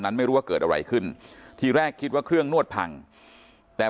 นั้นไม่รู้ว่าเกิดอะไรขึ้นทีแรกคิดว่าเครื่องนวดพังแต่